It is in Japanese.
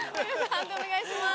判定お願いします。